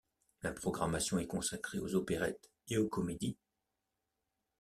La programmation est consacrée aux opérettes et aux comédies.